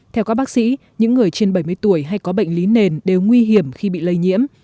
theo các bác sĩ những người trên bảy mươi tuổi hay có bệnh lý nền đều nguy hiểm khi bị lây nhiễm